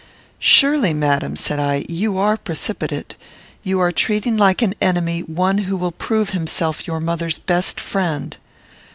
"Surely, madam," said I, "you are precipitate. You are treating like an enemy one who will prove himself your mother's best friend."